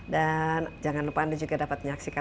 dan jangan lupa anda juga dapat menyaksikan kami